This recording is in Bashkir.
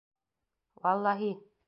Валлаһи!